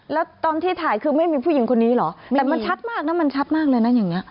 แล้วตอนที่ถ่ายคือไม่มีผู้หญิงคนนี้เหรอแต่มันชัดมากนะมันชัดมากเลยนะอย่างนี้